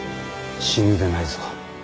死ぬでないぞ。